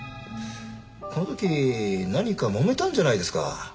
この時何かもめたんじゃないですか？